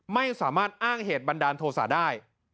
ไม่สามารถอ้างเหตุบันดาลโทษะได้